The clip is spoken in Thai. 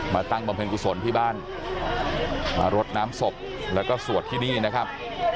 ตั้งบำเพ็ญกุศลที่บ้านมารดน้ำศพแล้วก็สวดที่นี่นะครับ